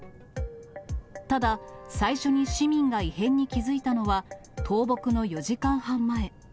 ただ、最初に市民が異変に気付いたのは、倒木の４時間半前。